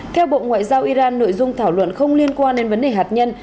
theo bộ ngoại giao iran nội dung thảo luận không liên quan đến vấn đề hạt nhân